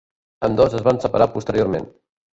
Ambdós es van separar posteriorment.